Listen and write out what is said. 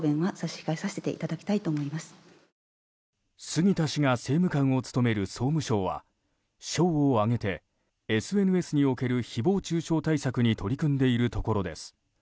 杉田氏が政務官を務める総務省は省を挙げて、ＳＮＳにおける誹謗中傷対策に取り組んでいるところです。